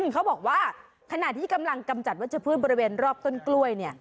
เขาบอกว่าขณะที่กำลังกำจัดวัชพืชบริเวณรอบต้นกล้วย